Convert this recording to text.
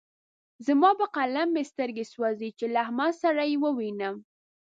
زما په قلم مې سترګې سوځې چې له احمد سره يې ووينم.